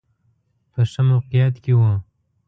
په ښه موقعیت کې و.